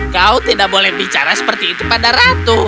kau tidak boleh bicara seperti itu pada ratu